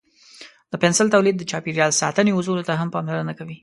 د پنسل تولید د چاپیریال ساتنې اصولو ته هم پاملرنه کوي.